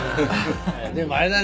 でもあれだね。